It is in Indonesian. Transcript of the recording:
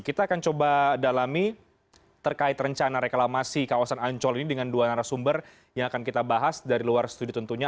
kita akan coba dalami terkait rencana reklamasi kawasan ancol ini dengan dua narasumber yang akan kita bahas dari luar studio tentunya